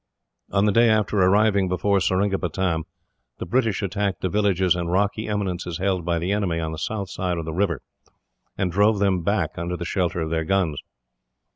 On the day after arriving before Seringapatam, the British attacked the villages and rocky eminences held by the enemy on the south side of the river, and drove them back under the shelter of their guns.